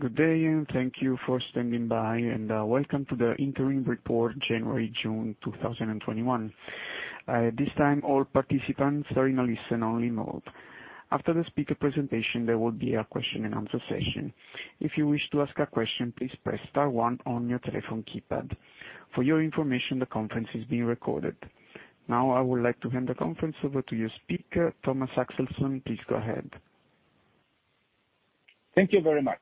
Good day, thank you for standing by, and welcome to the interim report January, June 2021. At this time all participants are in a listen-only mode. After the speaker presentation, there will be a question-and-answer session. If you wish to ask a question, please press star one on your telephone keypad. For your information, the conference is being recorded. Now I would like to hand the conference over to your speaker, Thomas Axelsson. Please go ahead. Thank you very much,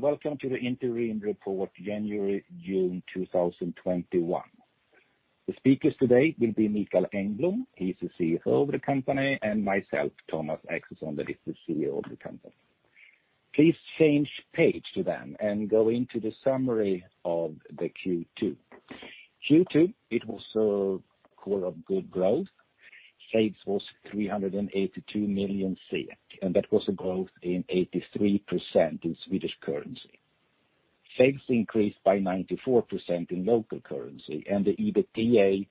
welcome to the interim report January, June 2021. The speakers today will be Mikael Engblom, he's the CFO of the company, and myself, Thomas Axelsson, that is CEO of the company. Please change page to then go into the summary of the Q2. Q2, it was a quarter of good growth. Sales was 382 million, and that was a growth in 83% in Swedish currency. Sales increased by 94% in local currency, and the EBITDA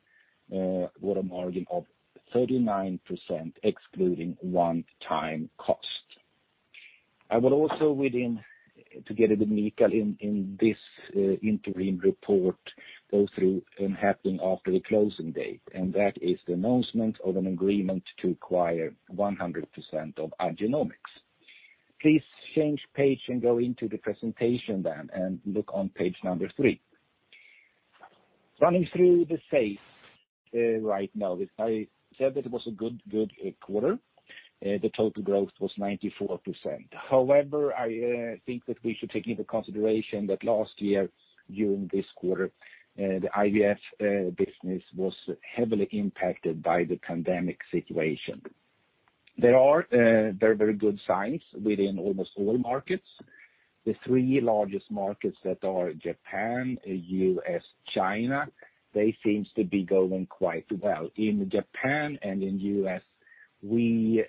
got a margin of 39%, excluding one-time cost. I would also within together with Mikael in this interim report go through what happened after the closing date, that is the announcement of an agreement to acquire 100% of Igenomix. Please change page and go into the presentation then and look on page number three. Running through the sales right now, I said that it was a good quarter. The total growth was 94%. However, I think that we should take into consideration that last year, during this quarter, the IVF business was heavily impacted by the pandemic situation. There are very good signs within almost all markets. The three largest markets that are Japan, U.S., China, they seems to be going quite well. In Japan and in U.S., we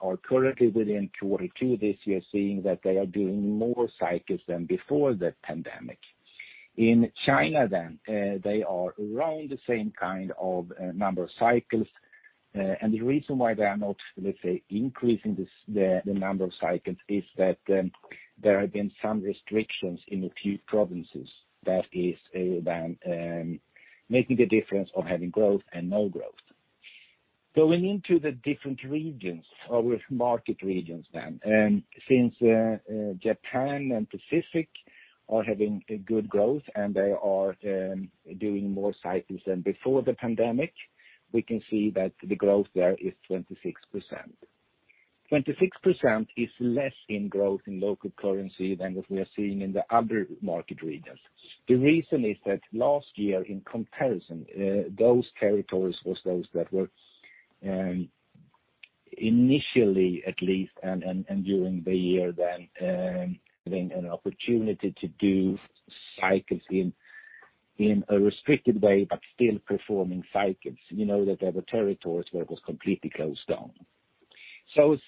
are currently within quarter two this year seeing that they are doing more cycles than before the pandemic. In China then, they are around the same kind of number of cycles. The reason why they are not, let's say, increasing the number of cycles is that there have been some restrictions in a few provinces that is making the difference of having growth and no growth. Going into the different regions or with market regions then. Since Japan and Pacific are having a good growth and they are doing more cycles than before the pandemic, we can see that the growth there is 26%. 26% is less in growth in local currency than what we are seeing in the other market regions. The reason is that last year in comparison, those territories was those that were initially at least and during the year then, having an opportunity to do cycles in a restricted way, but still performing cycles. You know that there were territories where it was completely closed down. Sales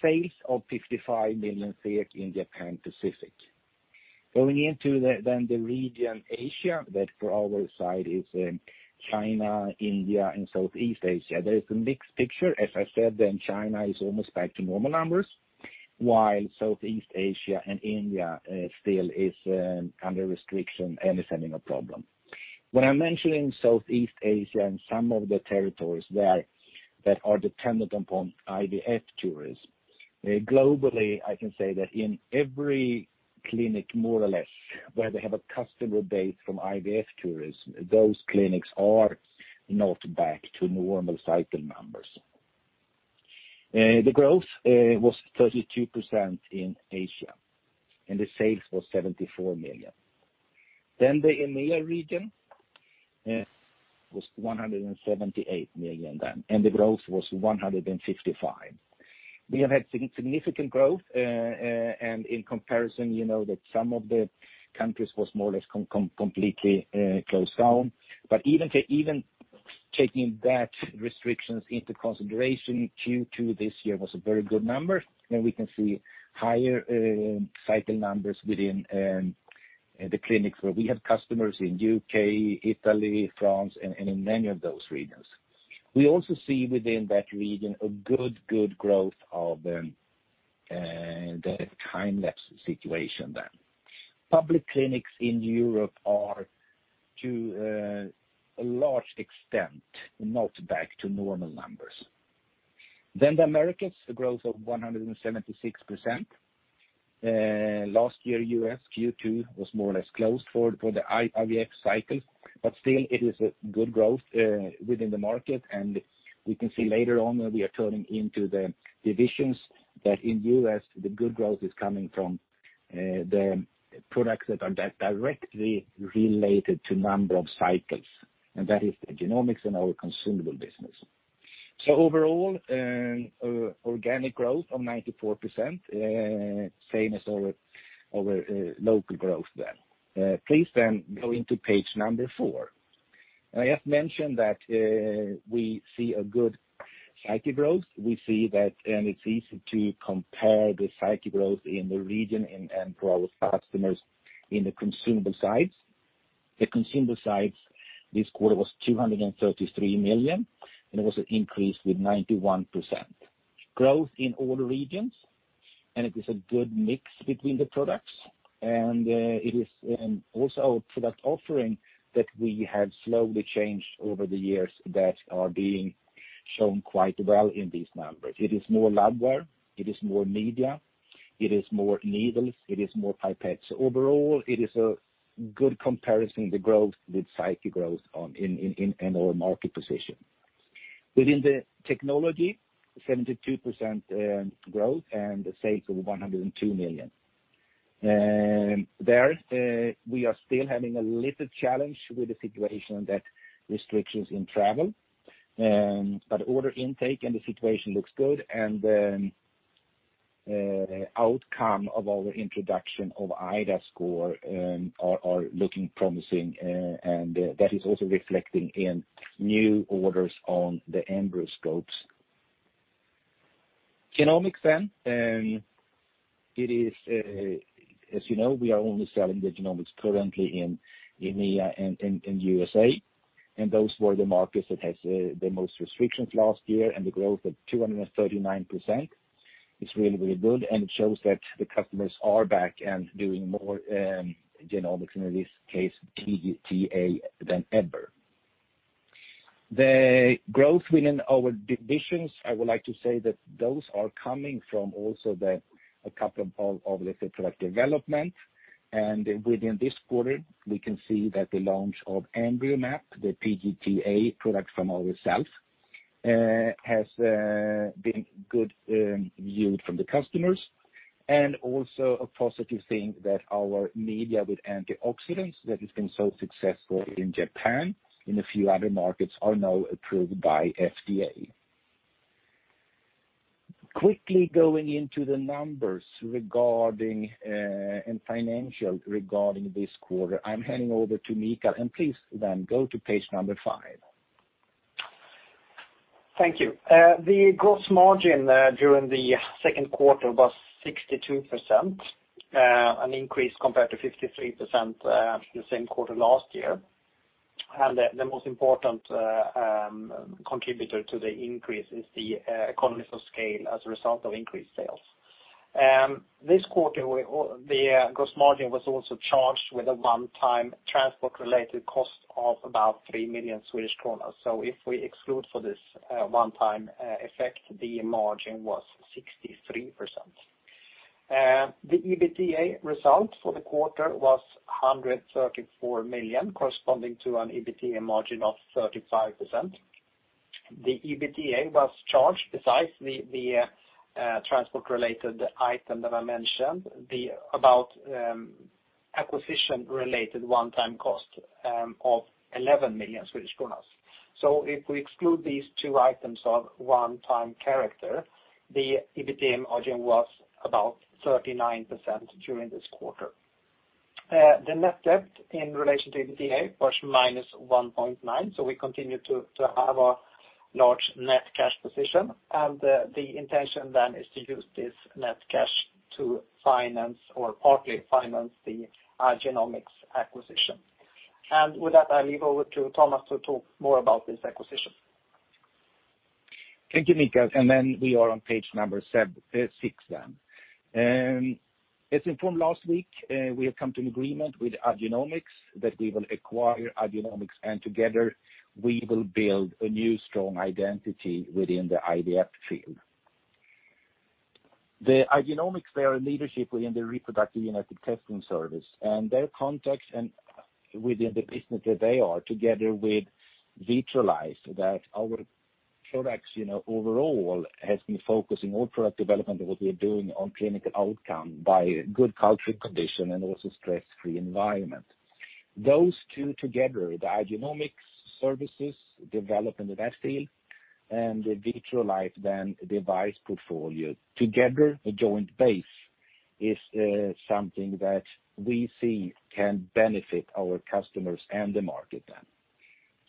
of 55 million in Japan Pacific. Going into the region Asia, that for our side is China, India, and Southeast Asia. There is a mixed picture. As I said, China is almost back to normal numbers, while Southeast Asia and India still is under restriction and is having a problem. When I'm mentioning Southeast Asia and some of the territories there that are dependent upon IVF tourism, globally, I can say that in every clinic, more or less, where they have a customer base from IVF tourism, those clinics are not back to normal cycle numbers. The growth was 32% in Asia, and the sales was 74 million. The EMEA region was 178 million, and the growth was 155%. We have had significant growth, and in comparison, you know that some of the countries was more or less completely closed down. Even taking that restrictions into consideration, Q2 this year was a very good number, and we can see higher cycle numbers within the clinics where we have customers in U.K., Italy, France, and in many of those regions. We also see within that region a good, good growth of the time-lapse situation there. Public clinics in Europe are to a large extent not back to normal numbers. The Americas, the growth of 176%. Last year, U.S. Q2 was more or less closed for the IVF cycle, but still it is a good growth within the market. We can see later on when we are turning into the divisions that in U.S., the good growth is coming from the products that are directly related to number of cycles, and that is the genomics and our consumable business. Overall, organic growth of 94%, same as our local growth then. Please go into page number four. I have mentioned that we see a good cycle growth. We see that, and it's easy to compare the cycle growth in the region and for our customers in the consumable sides. The consumable sides this quarter was 233 million, and it was an increase with 91%. Growth in all regions, and it is a good mix between the products, and it is also a product offering that we have slowly changed over the years that are being shown quite well in these numbers. It is more labware, it is more media, it is more needles, it is more pipettes. Overall, it is a good comparison, the growth with cycle growth in our market position. Within the technology, 72% growth and the sales of 102 million. There, we are still having a little challenge with the situation that restrictions in travel, but order intake and the situation looks good, and outcome of our introduction of iDAScore are looking promising, and that is also reflecting in new orders on the EmbryoScope. Genomics, it is, as you know, we are only selling the genomics currently in EMEA and U.S.A., and those were the markets that has the most restrictions last year, and the growth of 239% is really, really good, and it shows that the customers are back and doing more genomics, in this case, PGT-A than ever. The growth within our divisions, I would like to say that those are coming from also a couple of, let's say, product development. Within this quarter, we can see that the launch of EmbryoMap, the PGT-A product from ourself, has been good, viewed from the customers. Also a positive thing that our media with antioxidants that has been so successful in Japan, in a few other markets, are now approved by FDA. Quickly going into the numbers regarding, and financial regarding this quarter, I'm handing over to Mikael, and please then go to page number five. Thank you. The gross margin during the second quarter was 62%, an increase compared to 53% the same quarter last year. The most important contributor to the increase is the economies of scale as a result of increased sales. This quarter the gross margin was also charged with a one-time transport-related cost of about 3 million Swedish kronor. If we exclude for this one time effect, the margin was 63%. The EBITDA result for the quarter was 134 million, corresponding to an EBITDA margin of 35%. The EBITDA was charged, besides the transport-related item that I mentioned, about acquisition-related one-time cost of 11 million Swedish kronor. If we exclude these two items of one-time character, the EBITDA margin was about 39% during this quarter. The net debt in relation to EBITDA was -1.9, we continue to have a large net cash position, and the intention is to use this net cash to finance or partly finance the Igenomix acquisition. With that, I leave over to Thomas to talk more about this acquisition. Thank you, Mikael. We are on page number six. As informed last week, we have come to an agreement with Igenomix that we will acquire Igenomix. Together we will build a new strong identity within the IVF field. Igenomix, they are leadership within the reproductive genetic testing service and their contacts and within the business that they are, together with Vitrolife, that our products, you know, overall has been focusing all product development of what we are doing on clinical outcome by good cultural condition and also stress-free environment. Those two together, the Igenomix services developed in that field and the Vitrolife then device portfolio, together a joint base is something that we see can benefit our customers and the market.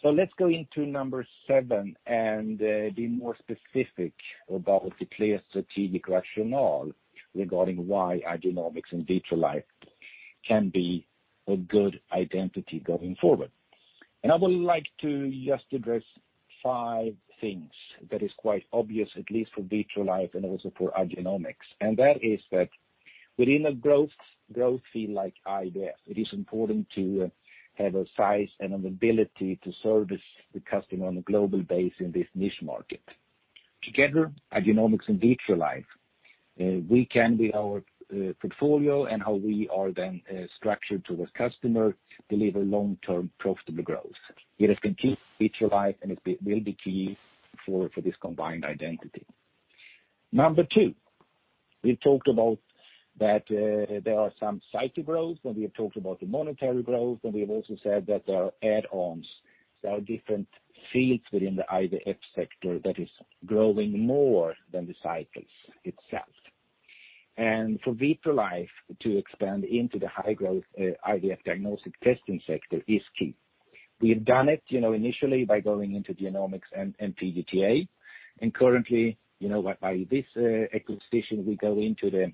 Let's go into number seven and be more specific about the clear strategic rationale regarding why Igenomix and Vitrolife can be a good identity going forward. I would like to just address five things that is quite obvious, at least for Vitrolife and also for Igenomix. That is that within a growth field like IVF, it is important to have a size and an ability to service the customer on a global base in this niche market. Together, Igenomix and Vitrolife, we can with our portfolio and how we are then structured towards customer deliver long-term profitable growth. It is key to Vitrolife, and it will be key for this combined identity. Number two, we've talked about that there are some cycle growth, and we have talked about the monetary growth, and we have also said that there are add-ons. There are different fields within the IVF sector that is growing more than the cycles itself. For Vitrolife to expand into the high-growth IVF diagnostic testing sector is key. We have done it, you know, initially by going into Igenomix and PGT-A. Currently, you know, by this acquisition, we go into the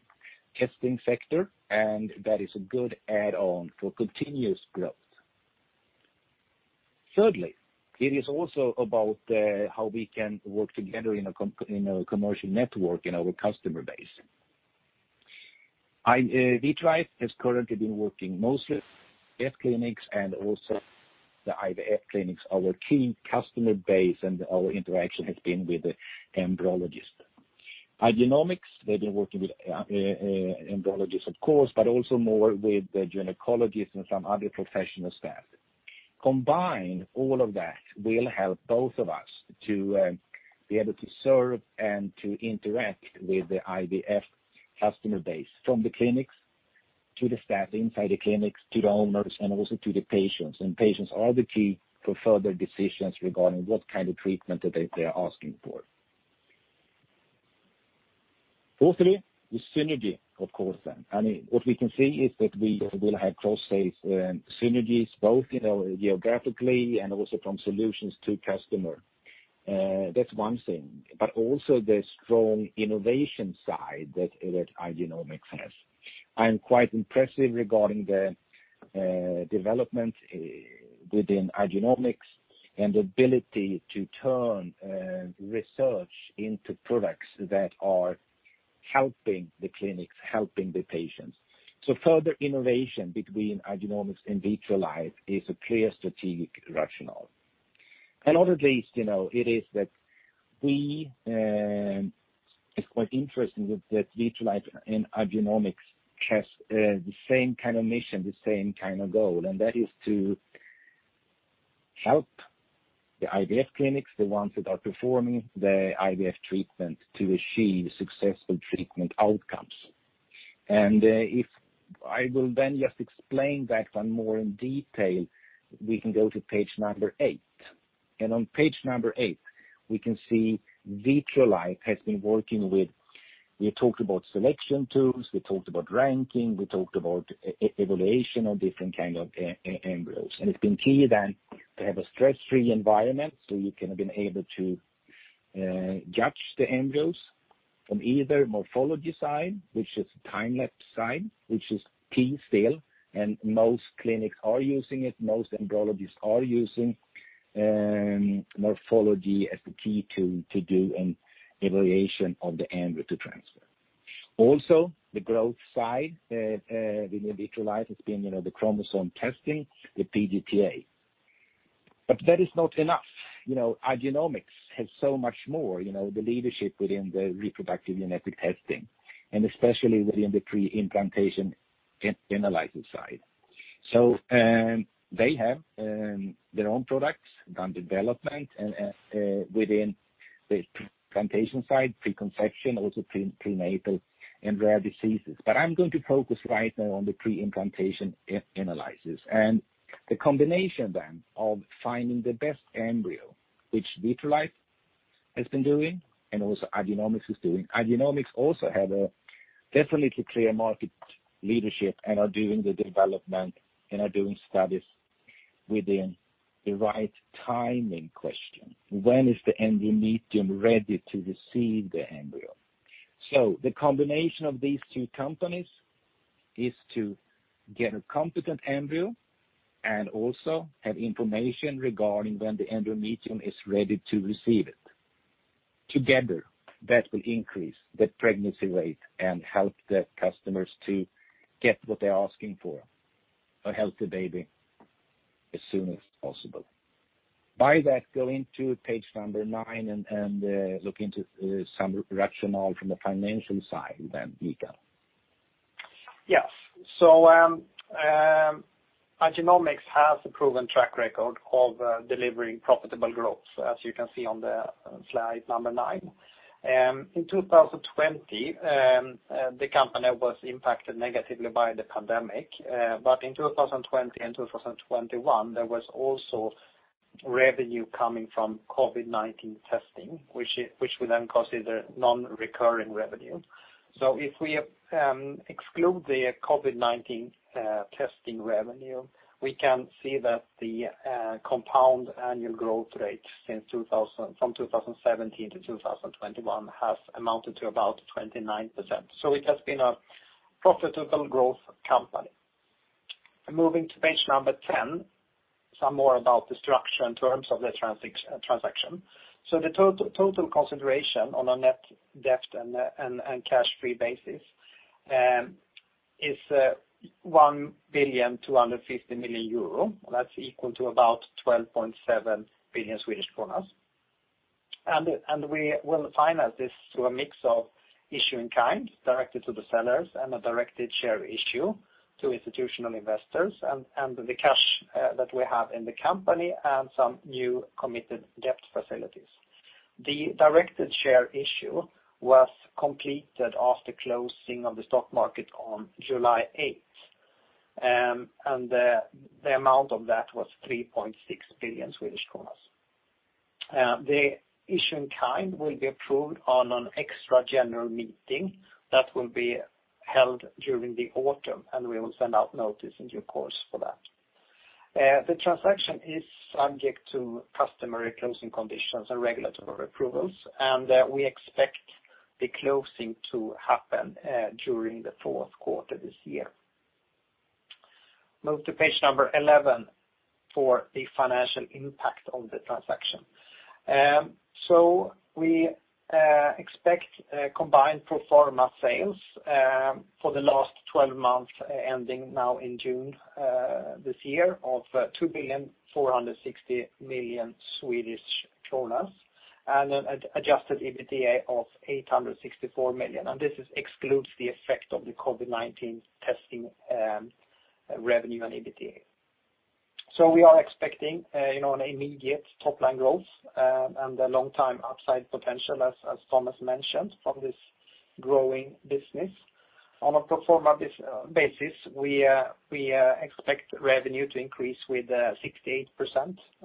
testing sector, and that is a good add-on for continuous growth. Thirdly, it is also about how we can work together in a commercial network in our customer base. Vitrolife has currently been working mostly with IVF clinics and also the IVF clinics, our key customer base, and our interaction has been with the embryologist. Igenomix, they've been working with embryologist, of course, but also more with the gynecologist and some other professional staff. Combined, all of that will help both of us to be able to serve and to interact with the IVF customer base, from the clinics to the staff inside the clinics, to the owners, and also to the patients. Patients are the key for further decisions regarding what kind of treatment that they are asking for. Fourthly, the synergy, of course then. I mean, what we can see is that we will have cross-sales synergies both, you know, geographically and also from solutions to customer. That's one thing. Also the strong innovation side that Igenomix has. I'm quite impressive regarding the development within Igenomix and ability to turn research into products that are helping the clinics, helping the patients. Further innovation between Igenomix and Vitrolife is a clear strategic rationale. Not at least, you know, it's quite interesting that Vitrolife and Igenomix has the same kind of mission, the same kind of goal, and that is to help the IVF clinics, the ones that are performing the IVF treatment, to achieve successful treatment outcomes. If I will then just explain that one more in detail, we can go to page number eight. On page number eight, we can see Vitrolife has been working with, we talked about selection tools, we talked about ranking, we talked about evaluation of different kind of embryos. It's been key to have a stress-free environment, so you can have been able to judge the embryos from either morphology, which is time-lapse side, which is key still, and most clinics are using it, most embryologists are using morphology as the key to do an evaluation of the embryo to transfer. Also the growth side within Vitrolife has been, you know, the chromosome testing, the PGT-A. That is not enough. You know, Igenomix has so much more, you know, the leadership within the reproductive genetic testing, and especially within the pre-implantation analysis side. They have their own products, done development and within the pre-implantation side, preconception, also prenatal and rare diseases. I'm going to focus right now on the pre-implantation analysis. The combination then of finding the best embryo, which Vitrolife has been doing and also Igenomix is doing. Igenomix also have a definitely clear market leadership and are doing the development and are doing studies within the right timing question. When is the endometrium ready to receive the embryo? The combination of these two companies is to get a competent embryo and also have information regarding when the endometrium is ready to receive it. Together, that will increase the pregnancy rate and help the customers to get what they're asking for, a healthy baby as soon as possible. By that, go into page number nine and look into some rationale from the financial side then, Mikael. Yes. Igenomix has a proven track record of delivering profitable growth, as you can see on slide number nine. In 2020, the company was impacted negatively by the pandemic. In 2020 and 2021, there was also revenue coming from COVID-19 testing, which we then consider non-recurring revenue. If we exclude the COVID-19 testing revenue, we can see that the compound annual growth rate from 2017 to 2021 has amounted to about 29%. So it has been a profitable growth company. Moving to page number 10, some more about the structure in terms of the transaction. The total consideration on a net debt and a cash-free basis is 1.25 billion. That's equal to about 12.7 billion Swedish kronor. We will finance this through a mix of issue in kind directly to the sellers and a directed share issue to institutional investors and the cash that we have in the company and some new committed debt facilities. The directed share issue was completed after closing of the stock market on July 8. The amount of that was 3.6 billion Swedish kronor. The issue in kind will be approved on an extra general meeting that will be held during the autumn, and we will send out notice in due course for that. The transaction is subject to customary closing conditions and regulatory approvals. We expect the closing to happen during the fourth quarter this year. Move to page number 11 for the financial impact on the transaction. We expect a combined pro forma sales for the last 12 months ending now in June this year of 2.46 billion and an adjusted EBITDA of 864 million. This is excludes the effect of the COVID-19 testing revenue on EBITDA. We are expecting, you know, an immediate top-line growth and a long time upside potential, as Thomas mentioned, from this growing business. On a pro forma basis, we expect revenue to increase with 68%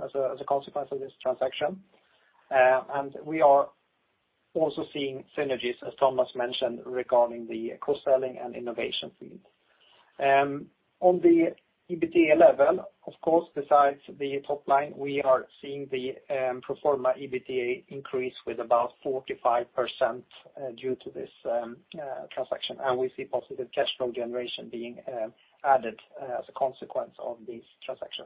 as a consequence of this transaction. We are also seeing synergies, as Thomas mentioned, regarding the cross-selling and innovation theme. On the EBITDA level, of course, besides the top line, we are seeing the pro forma EBITDA increase with about 45% due to this transaction, and we see positive cash flow generation being added as a consequence of this transaction.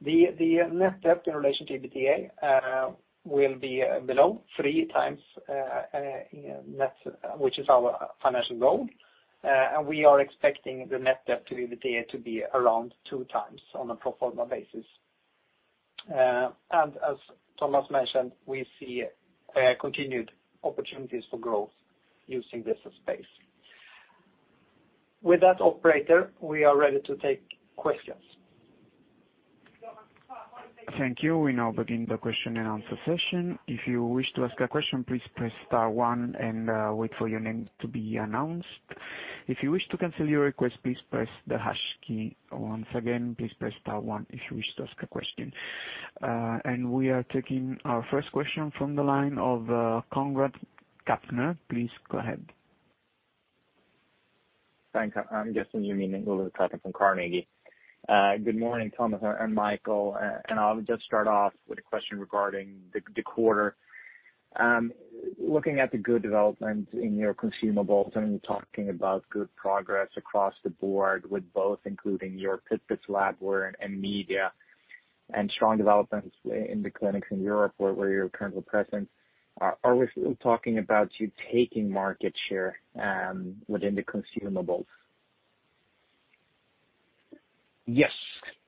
The net debt in relation to EBITDA will be below 3x net, which is our financial goal. We are expecting the net debt to EBITDA to be around 2x on a pro forma basis. As Thomas mentioned, we see continued opportunities for growth using this space. With that, operator, we are ready to take questions. Thank you. We now begin the question-and-answer session. If you wish to ask a question, please press star one and wait for your name to be announced. If you wish to cancel your request, please press the hash key. Once again, please press star one if you wish to ask a question. We are taking our first question from the line of Conrad Kapner. Please go ahead. Thanks. I'm guessing you mean Ulrik Trattner from Carnegie. Good morning, Thomas and Mikael. I'll just start off with a question regarding the quarter. Looking at the good development in your consumables, and you're talking about good progress across the board with both, including your pipette labware and media, and strong developments in the clinics in Europe where you're currently present. Are we still talking about you taking market share within the consumables? Yes.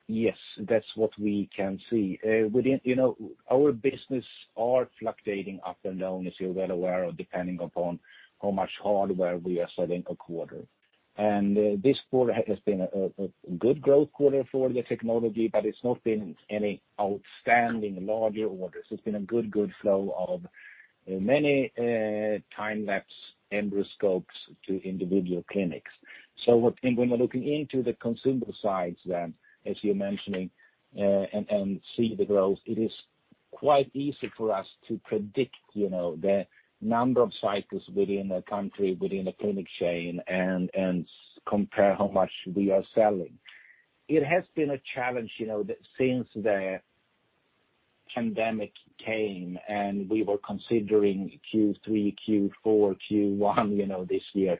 Yes, that's what we can see. within, you know, our business are fluctuating up and down, as you're well aware of, depending upon how much hardware we are selling a quarter. This quarter has been a good growth quarter for the technology, but it's not been any outstanding larger orders. It's been a good, good flow of many time-lapse EmbryoScopes to individual clinics. When we're looking into the consumable sides then, as you're mentioning, and see the growth, it is quite easy for us to predict, you know, the number of cycles within a country, within a clinic chain and compare how much we are selling. It has been a challenge, you know, since the pandemic came, and we were considering Q3, Q4, Q1 this year,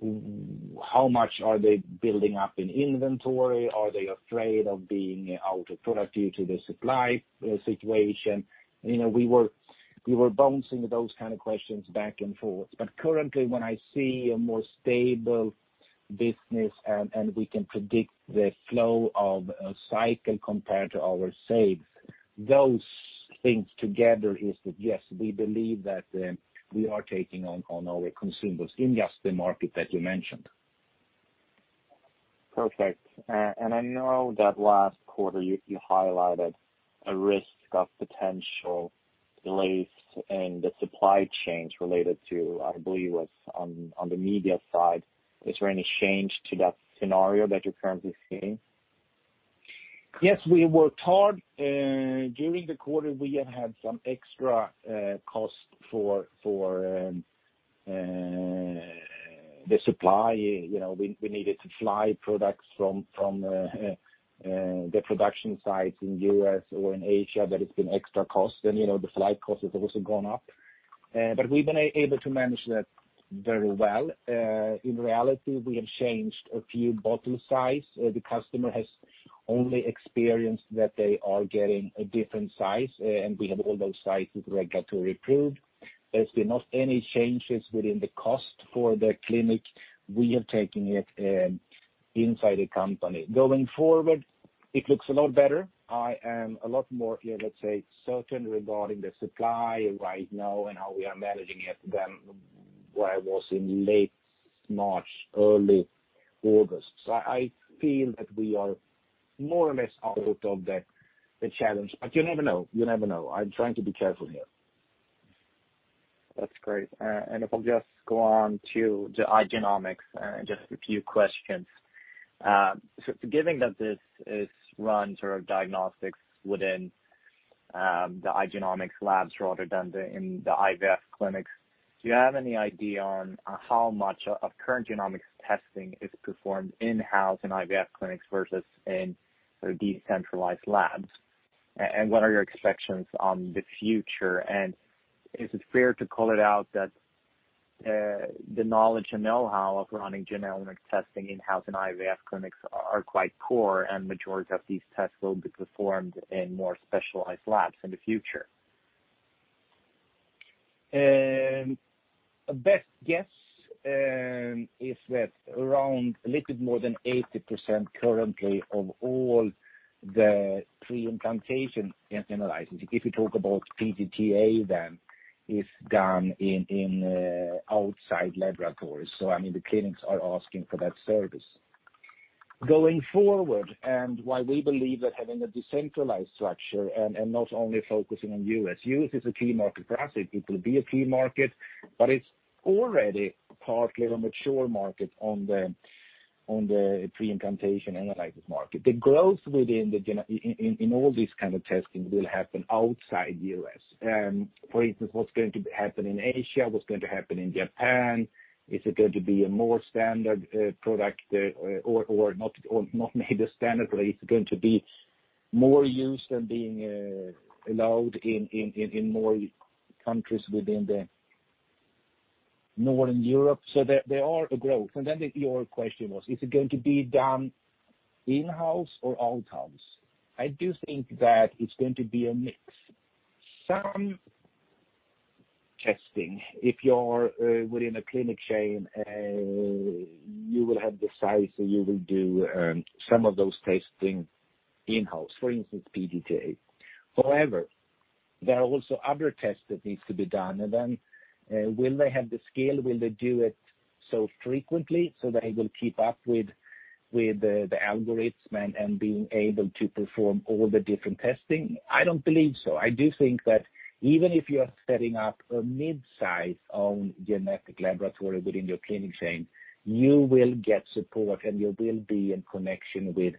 how much are they building up in inventory? Are they afraid of being out of product due to the supply situation? You know, we were bouncing those kind of questions back and forth. Currently, when I see a more stable business and we can predict the flow of a cycle compared to our sales, those things together is that, yes, we believe that we are taking on our consumables in just the market that you mentioned. Perfect. I know that last quarter you highlighted a risk of potential delays in the supply chains related to, I believe it was on the media side. Is there any change to that scenario that you're currently seeing? Yes, we worked hard. During the quarter, we have had some extra cost for the supply. You know, we needed to fly products from the production sites in U.S. or in Asia, it's been extra cost. You know, the flight cost has also gone up. We've been able to manage that very well. In reality, we have changed a few bottle size. The customer has only experienced that they are getting a different size, we have all those sizes regulatory approved. There's been not any changes within the cost for the clinic. We have taken it inside the company. Going forward, it looks a lot better. I am a lot more, let's say, certain regarding the supply right now and how we are managing it than where I was in late March, early August. I feel that we are more or less out of the challenge, but you never know. You never know. I'm trying to be careful here. That's great. If I'll just go on to the Igenomix, just a few questions. Given that this is run sort of diagnostics within the Igenomix labs rather than in the IVF clinics, do you have any idea on how much of current genomics testing is performed in-house in IVF clinics versus in sort of decentralized labs? What are your expectations on the future? Is it fair to call it out that the knowledge and know-how of running genomic testing in-house and IVF clinics are quite poor, and majority of these tests will be performed in more specialized labs in the future? Best guess is that around a little more than 80% currently of all the pre-implantation analyses. If you talk about PGT-A then, it's done in outside laboratories. I mean, the clinics are asking for that service. Going forward, why we believe that having a decentralized structure and not only focusing on U.S. U.S. is a key market for us. It will be a key market, it's already partly a mature market on the pre-implantation analysis market. The growth within all these kind of testing will happen outside U.S. For instance, what's going to happen in Asia, what's going to happen in Japan. Is it going to be a more standard product or not maybe the standard, but it's going to be more used and being allowed in more countries within the Northern Europe? There are a growth. Your question was, is it going to be done in-house or out-house? I do think that it's going to be a mix. Some testing, if you're within a clinic chain, you will have the size, so you will do some of those testing in-house, for instance, PGT-A. However, there are also other tests that needs to be done. Will they have the scale? Will they do it so frequently so they will keep up with the algorithms and being able to perform all the different testing? I don't believe so. I do think that even if you are setting up a mid-size own genetic laboratory within your clinic chain, you will get support, and you will be in connection with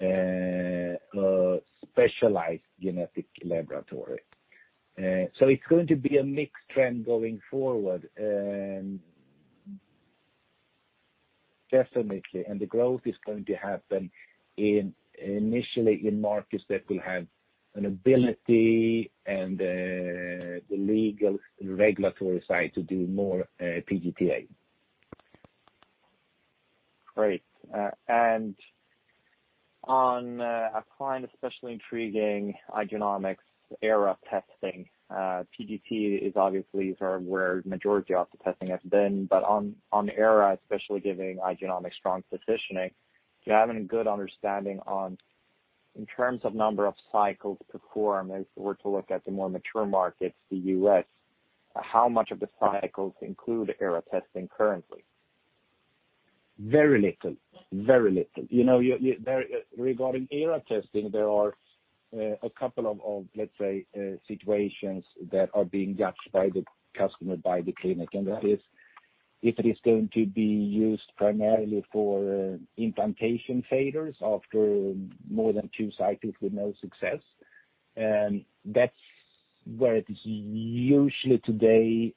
a specialized genetic laboratory. It's going to be a mixed trend going forward, definitely. The growth is going to happen in, initially in markets that will have an ability and the legal regulatory side to do more PGT-A. Great. On, a client, especially intriguing Igenomix ERA testing. PGT-A is obviously sort of where majority of the testing has been. On ERA, especially giving Igenomix strong positioning. Do you have any good understanding on, in terms of number of cycles performed, if we were to look at the more mature markets, the U.S., how much of the cycles include ERA testing currently? Very little. Very little. You know, there regarding ERA testing, there are a couple of, let's say, situations that are being judged by the customer, by the clinic. That is, if it is going to be used primarily for implantation failures after more than two cycles with no success, that's where it is usually today,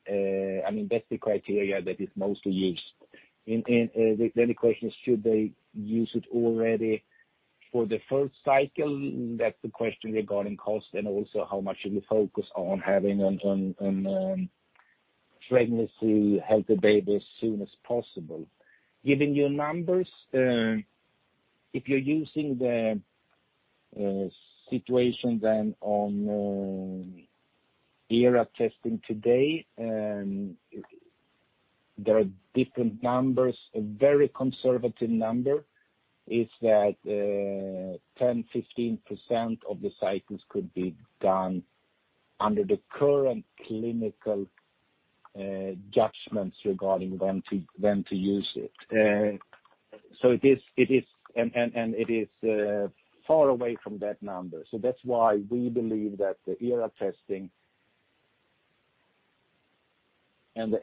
I mean, that's the criteria that is mostly used. The question is, should they use it already for the first cycle? That's the question regarding cost and also how much you focus on having pregnancy, healthy baby as soon as possible. Giving you numbers, if you're using the situation then on ERA testing today, there are different numbers. A very conservative number is that 10%, 15% of the cycles could be done under the current clinical judgments regarding when to use it. It is far away from that number. That's why we believe that the ERA testing and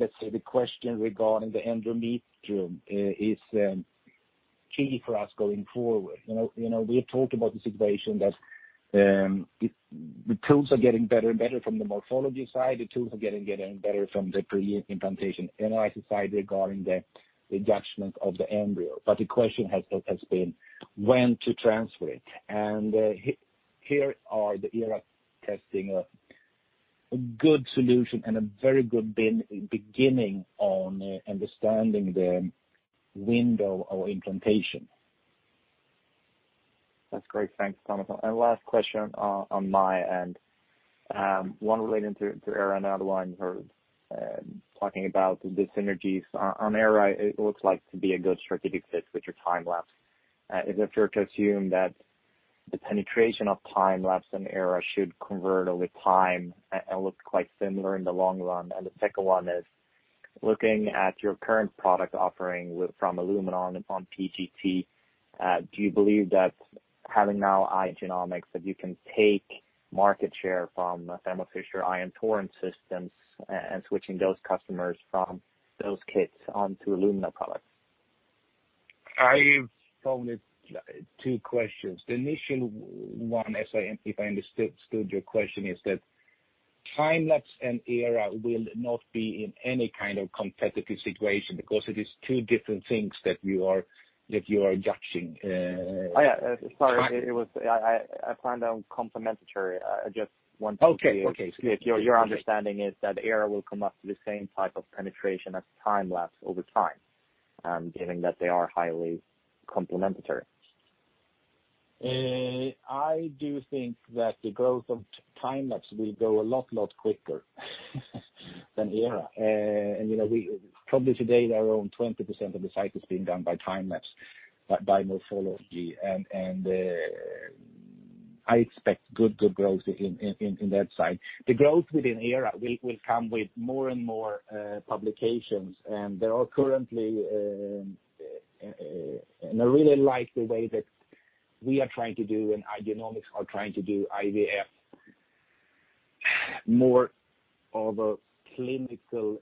let's say the question regarding the endometrium is key for us going forward. You know, we have talked about the situation that the tools are getting better and better from the morphology side. The tools are getting better from the pre-implantation analysis side regarding the judgment of the embryo. The question has been when to transfer it. Here are the ERA testing a good solution and a very good beginning on understanding the window of implantation. That's great. Thanks, Thomas. Last question on my end. One relating to ERA, another one you're talking about the synergies. On ERA, it looks like to be a good strategic fit with your time-lapse. Is it fair to assume that the penetration of time-lapse and ERA should convert over time and look quite similar in the long run? The second one. Looking at your current product offering from Illumina on PGT, do you believe that having now Igenomix that you can take market share from Thermo Fisher Ion Torrent systems and switching those customers from those kits onto Illumina products? I've found it two questions. The initial one, if I understood your question, is that time-lapse and ERA will not be in any kind of competitive situation because it is two different things that you are judging. Oh, yeah. Sorry. I found them complementary. Okay. Okay. If your understanding is that ERA will come up to the same type of penetration as time-lapse over time, given that they are highly complementary. I do think that the growth of time-lapse will go a lot, lot quicker than ERA. You know, probably today, around 20% of the cycles being done by time-lapse, by morphology. I expect good growth in that side. The growth within ERA will come with more and more publications. There are currently, I really like the way that we are trying to do, Igenomix are trying to do IVF. More of a clinical,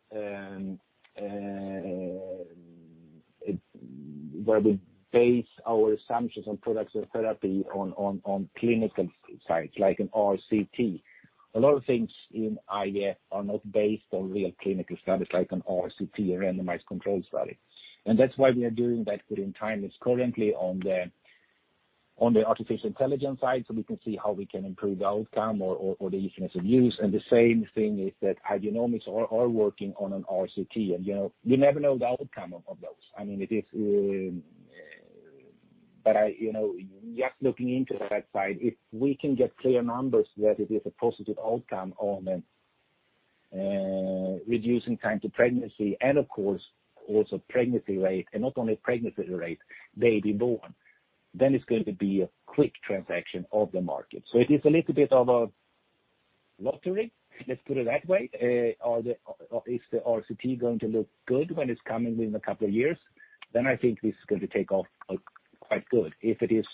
where we base our assumptions on products and therapy on clinical sites like an RCT. A lot of things in IVF are not based on real clinical studies like an RCT or randomized controlled study. That's why we are doing that within time-lapse currently on the artificial intelligence side, so we can see how we can improve the outcome or the usefulness of use. The same thing is that Igenomix are working on an RCT. You know, you never know the outcome of those. I mean, it is, I, you know, just looking into that side, if we can get clear numbers that it is a positive outcome on reducing time to pregnancy and of course, also pregnancy rate, and not only pregnancy rate, baby born, then it's going to be a quick transaction of the market. It is a little bit of a lottery, let's put it that way. Is the RCT going to look good when it's coming within a couple of years? I think this is going to take off quite good. If it is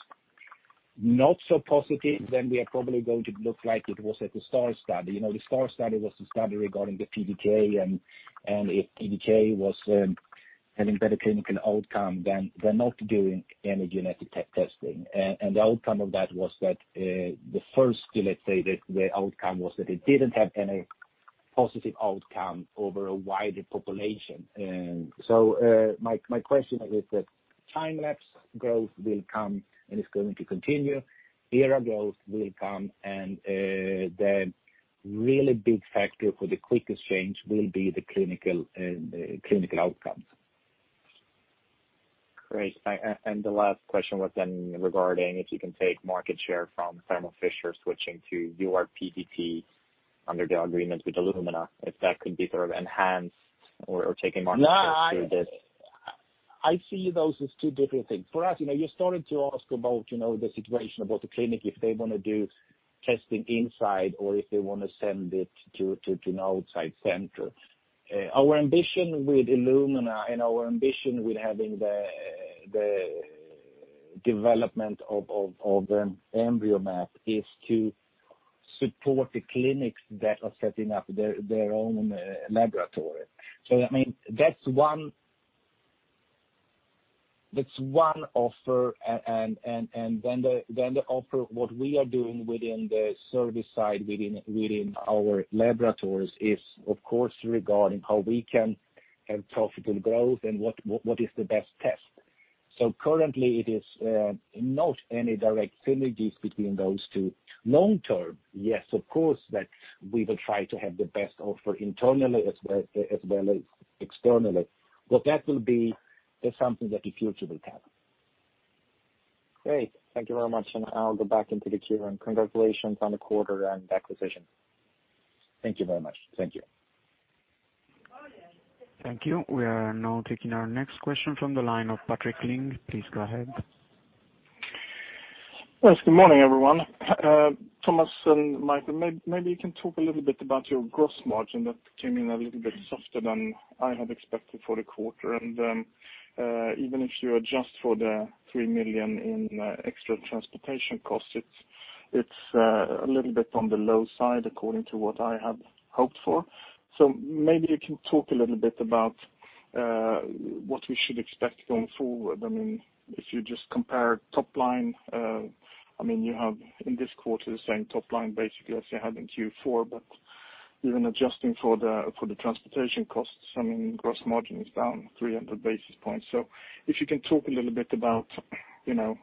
not so positive, then we are probably going to look like it was at the STAR study. You know, the STAR study was the study regarding the PGT-A, and if PGT-A was having better clinical outcome, then they're not doing any genetic testing. The outcome of that was that the first, let's say, the outcome was that it didn't have any positive outcome over a wider population. My question is that time-lapse growth will come, and it's going to continue. ERA growth will come, and the really big factor for the quickest change will be the clinical outcomes. Great. The last question was then regarding if you can take market share from Thermo Fisher switching to your PGT under the agreement with Illumina, if that could be sort of enhanced or taking market share through this? No, I see those as two different things. For us, you know, you're starting to ask about, you know, the situation about the clinic, if they wanna do testing inside or if they wanna send it to an outside center. Our ambition with Illumina and our ambition with having the development of the EmbryoMap is to support the clinics that are setting up their own laboratory. That means that's one offer. And then the offer, what we are doing within the service side, within our laboratories is, of course, regarding how we can have profitable growth and what is the best test. Currently it is not any direct synergies between those two. Long-term, yes, of course, that we will try to have the best offer internally as well, as well as externally. That will be just something that the future will tell. Great. Thank you very much. I'll go back into the queue. Congratulations on the quarter and acquisition. Thank you very much. Thank you. Thank you. We are now taking our next question from the line of Patrik Ling. Please go ahead. Yes, good morning, everyone. Thomas and Mikael, maybe you can talk a little bit about your gross margin that came in a little bit softer than I had expected for the quarter. Even if you adjust for the 3 million in extra transportation costs, it's a little bit on the low side according to what I have hoped for. Maybe you can talk a little bit about what we should expect going forward. I mean, if you just compare top line, I mean, you have in this quarter the same top line basically as you had in Q4. Even adjusting for the transportation costs, I mean, gross margin is down 300 basis points. If you can talk a little bit about, you know,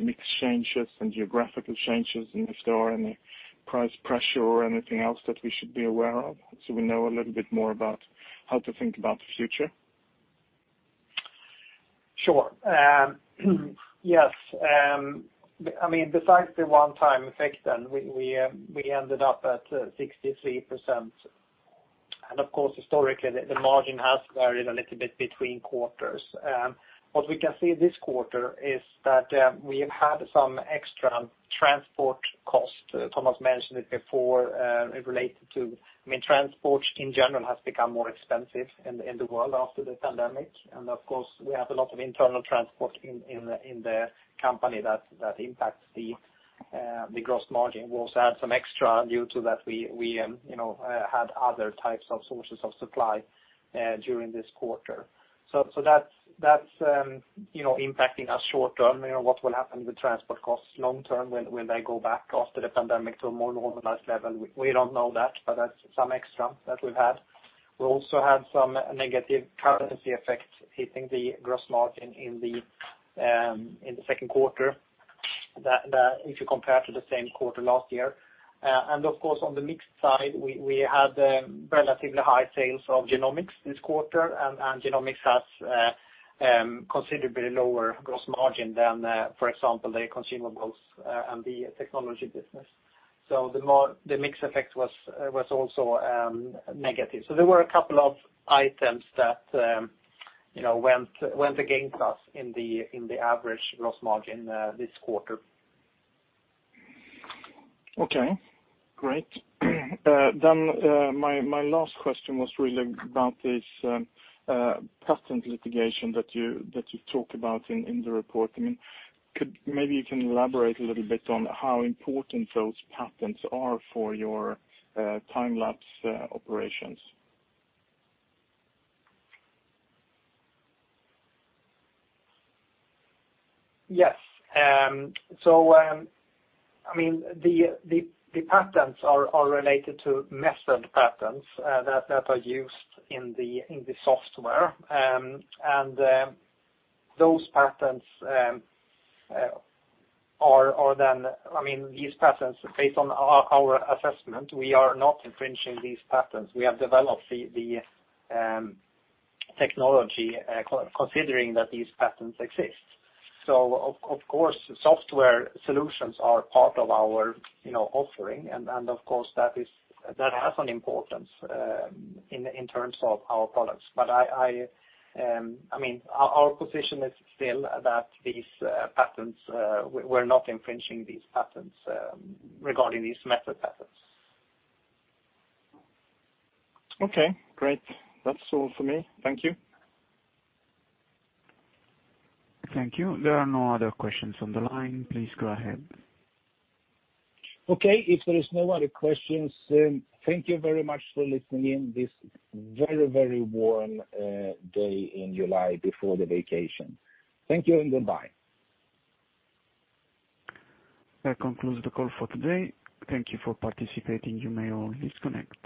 mix changes and geographical changes and if there are any price pressure or anything else that we should be aware of, so we know a little bit more about how to think about the future. Sure. Yes. I mean, besides the one-time effect then we ended up at 63%. Of course, historically, the margin has varied a little bit between quarters. What we can see this quarter is that we have had some extra transport cost. Thomas mentioned it before. It related to, I mean, transport in general has become more expensive in the world after the pandemic. Of course, we have a lot of internal transport in the company that impacts the gross margin. We also had some extra due to that we, you know, had other types of sources of supply during this quarter. That's, you know, impacting us short-term. You know, what will happen to the transport costs long-term when they go back after the pandemic to a more normalized level, we don't know that, but that's some extra that we've had. We also had some negative currency effects hitting the gross margin in the second quarter that if you compare to the same quarter last year. Of course, on the mix side, we had relatively high sales of genomics this quarter, and genomics has considerably lower gross margin than, for example, the consumables and the technology business. The mix effect was also negative. There were a couple of items that, you know, went against us in the average gross margin this quarter. Okay, great. My last question was really about this patent litigation that you talk about in the report. I mean, maybe you can elaborate a little bit on how important those patents are for your time-lapse operations? Yes. I mean, the patents are related to method patents that are used in the software. Those patents, I mean, these patents based on our assessment, we are not infringing these patents. We have developed the technology considering that these patents exist. Of course, software solutions are part of our, you know, offering and of course that is, that has an importance in terms of our products. I mean, our position is still that these patents, we're not infringing these patents regarding these method patents. Okay, great. That's all for me. Thank you. Thank you. There are no other questions on the line. Please go ahead. Okay. If there is no other questions, thank you very much for listening in this very, very warm day in July before the vacation. Thank you, and goodbye. That concludes the call for today. Thank you for participating. You may all disconnect.